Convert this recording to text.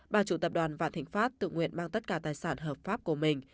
bà chủ tập đoàn vạn thịnh pháp tự nguyện mang tất cả tài sản hợp pháp của mình